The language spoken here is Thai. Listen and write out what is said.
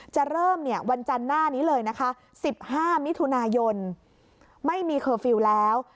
จะเริ่มวันจันทร์หน้านี้เลยนะคะ๑๕มิถุนายนไม่มีเคอร์ฟิลล์แล้ว